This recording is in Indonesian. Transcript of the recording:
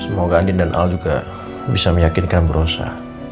semoga andien dan al juga bisa meyakinkan berosa